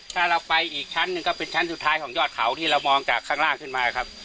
ถ้าเราไปอีกชั้นหนึ่งก็เป็นชั้นสุดท้ายของยอดเขาที่เรามองจากข้างล่างขึ้นมาครับ